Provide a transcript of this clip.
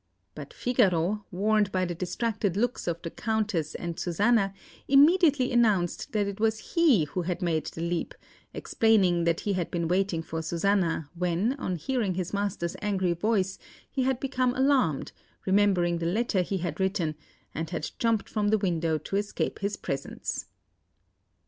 But Figaro, warned by the distracted looks of the Countess and Susanna, immediately announced that it was he who had made the leap, explaining that he had been waiting for Susanna, when, on hearing his master's angry voice, he had become alarmed, remembering the letter he had written, and had jumped from the window to escape his presence.